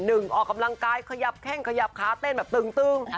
ออกกำลังกายขยับแข้งขยับขาเต้นแบบตึง